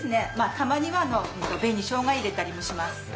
たまには紅しょうが入れたりもします。